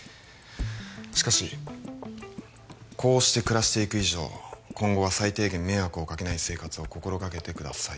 しかしこうして暮らしていく以上今後は最低限迷惑をかけない生活を心がけてください